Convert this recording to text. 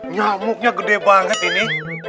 nyamuknya gede banget ini